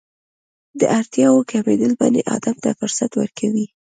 د اړتیاوو کمېدل بني ادم ته فرصت ورکوي.